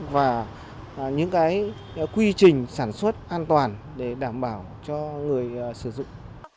và những quy trình sản xuất an toàn để đảm bảo cho người sử dụng